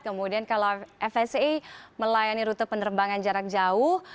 kemudian kalau fsa melayani rute penerbangan jarak jauh